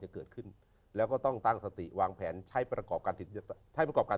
เกิดขึ้นแล้วก็ต้องตั้งสติวางแผนใช้ประกอบการติดใช้ประกอบการ